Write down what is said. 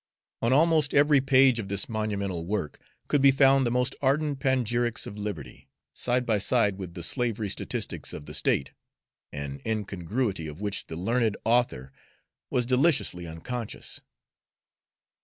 On almost every page of this monumental work could be found the most ardent panegyrics of liberty, side by side with the slavery statistics of the State, an incongruity of which the learned author was deliciously unconscious.